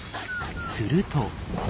すると。